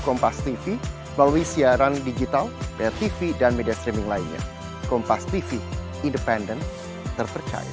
kompas tv melalui siaran digital tv dan media streaming lainnya kompas tv independen terpercaya